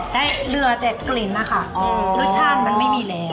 ได้เหลือแต่กลิ่นนะคะรสชาติมันไม่มีแล้ว